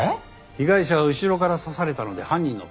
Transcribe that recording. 被害者は後ろから刺されたので犯人の顔を見ていない。